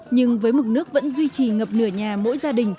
nhưng với mực nước vẫn duy trì ngập nửa nhà mỗi gia đình